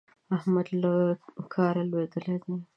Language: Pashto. احمد له کاره لوېدلی دی.